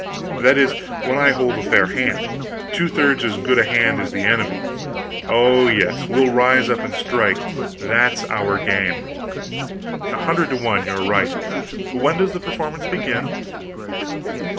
That is, when I hold a fair hand two thirds as good a hand as the enemy. Oh, yes, we'll rise up and strike; that's our game." "A hundred to one you are right. When does the performance begin?"